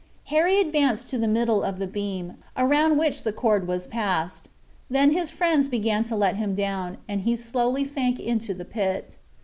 Harry advanced to the middle of the beam, around which the cord was passed. Then his friends began to let him down, and he slowly sank into the pit.